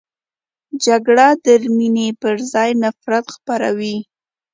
جګړه د مینې پر ځای نفرت خپروي